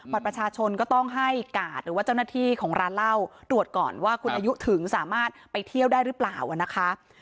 ประชาชนก็ต้องให้กาดหรือว่าเจ้าหน้าที่ของร้านเหล้าตรวจก่อนว่าคุณอายุถึงสามารถไปเที่ยวได้หรือเปล่านะคะ